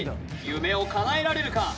夢を叶えられるか？